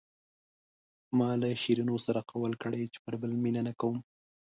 ما له شیرینو سره قول کړی چې پر بل مینه نه کوم.